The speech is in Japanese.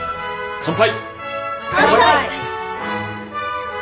乾杯！